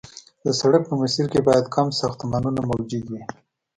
د سړک په مسیر کې باید کم ساختمانونه موجود وي